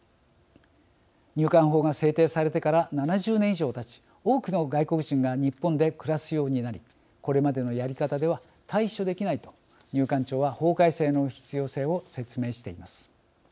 入管法が制定されてから７０年以上たち、多くの外国人が日本で暮らすようになりこれまでのやり方では対処できないと入管庁は法改正の必要性を説明しています。